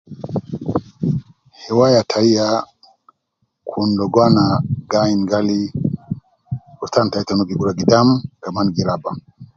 Hiwaya tayi yaa Kun logo ana Gi aInu gali rutan tayi ta Nubi gu ruwa gidam kaman gi raba